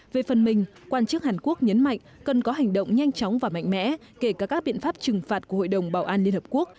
về phần mình quan chức hàn quốc nhấn mạnh cần có hành động nhanh chóng và mạnh mẽ kể cả các biện pháp trừng phạt của hội đồng bảo an liên hợp quốc